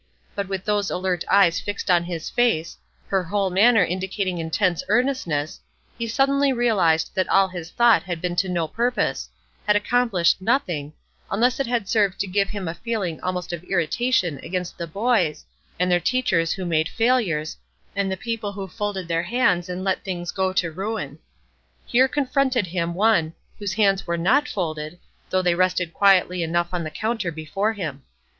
But with those alert eyes fixed on his face, her whole manner indicating intense earnestness, he suddenly realized that all his thought had been to no purpose, had accomplished nothing, unless it had served to give him a feeling almost of irritation against the boys, and their teachers who made failures, and the people who folded their hands and let things go to ruin. Here confronted him one, whose hands were not folded, though they rested quietly enough on the counter before him.